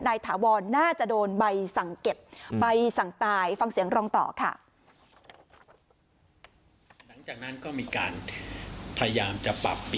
ถาวรน่าจะโดนใบสั่งเก็บใบสั่งตายฟังเสียงรองต่อค่ะ